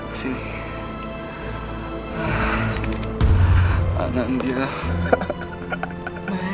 mas itu bicara apa mas